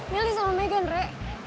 milih sama megan re